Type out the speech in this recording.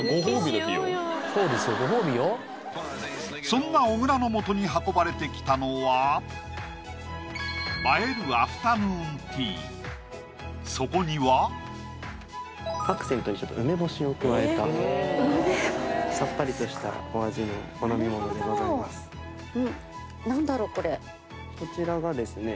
そんな小倉のもとに運ばれてきたのはそこにはアクセントに梅ぼしを加えたさっぱりとしたお味のなるほどこちらがですね